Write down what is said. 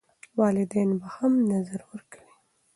والدین به هم نظر ورکوي.